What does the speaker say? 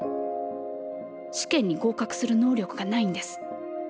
試験に合格する能力がないんです。